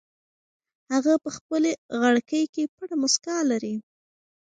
هغه په خپلې غړکۍ کې پټه موسکا لري.